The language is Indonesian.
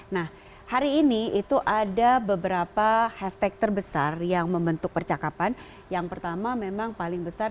nah hari ini itu ada beberapa hashtag terbesar yang membentuk percakapan yang pertama memang paling besar